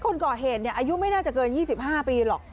คนก่อเหตุอายุไม่น่าจะเกิน๒๕ปีหรอก